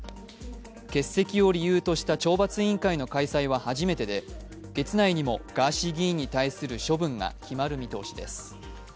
欠席を理由とした懲罰委員会の開催は初めてで、月内にもガーシー議員に対する処分が決まる見通しです。